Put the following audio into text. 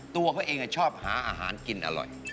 ตัวเขาเองชอบหาอาหารกินอร่อย